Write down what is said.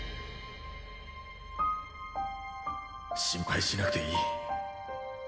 心配しなくていい